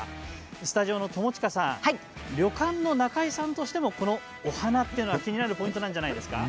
スタジオの友近さん旅館の仲居さんとしてはこのお花というのは気になるポイントじゃないですか。